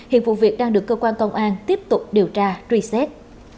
hiện vụ việc đang được cơ quan công an tiếp tục điều tra truy xét